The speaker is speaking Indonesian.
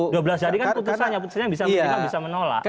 dua belas hari kan putusannya putusannya bisa menolak